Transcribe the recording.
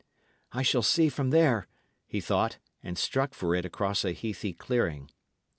"I shall see from there," he thought, and struck for it across a heathy clearing.